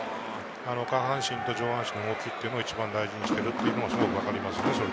下半身と上半身の動きっていうのを一番大事にしているっていうのがわかりますね。